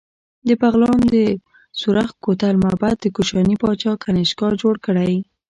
د بغلان د سورخ کوتل معبد د کوشاني پاچا کنیشکا جوړ کړی